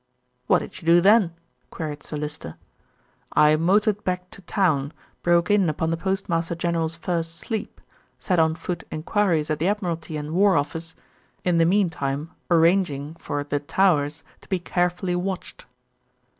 "What did you do then?" queried Sir Lyster. "I motored back to town, broke in upon the Postmaster general's first sleep, set on foot enquiries at the Admiralty and War Office, in the meantime arranging for The Towers to be carefully watched."